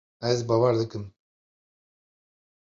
Ez bar dikim.